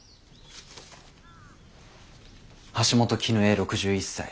橋本絹江６１歳。